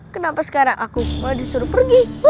kenapa sekarang aku malah disuruh pergi